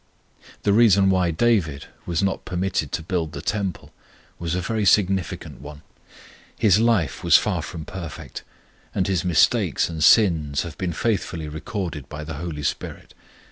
The reason why David was not permitted to build the Temple was a very significant one. His life was far from perfect; and his mistakes and sins have been faithfully recorded by the HOLY SPIRIT.